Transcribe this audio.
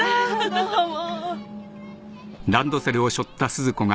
どうも。